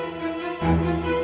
yang sepupu banget